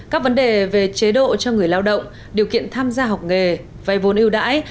các vấn đề về chế độ cho người lao động điều kiện tham gia học nghề vay vốn yêu đãi